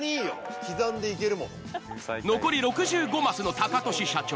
残り６５マスのタカトシ社長